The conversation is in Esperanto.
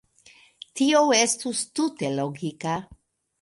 Tio estus tute logika.